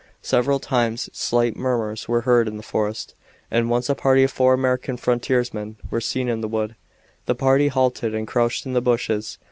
Several times slight murmurs were heard in the forest, and once a party of four American frontiersmen were seen in the wood. The party halted and crouched in the bushes.